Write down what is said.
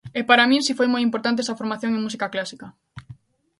E para min si foi moi importante esa formación en música clásica.